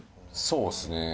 そうですね。